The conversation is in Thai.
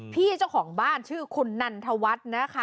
เจ้าของบ้านชื่อคุณนันทวัฒน์นะคะ